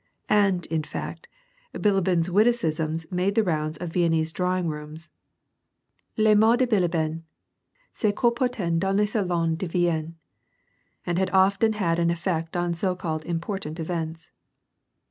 And, in fact, Bilibin's witticism's made the rounds of Viennese drawing rooms — leviots de Bilibin se colportaient dans le salofis de Vienne — and often had an effect on so called important events.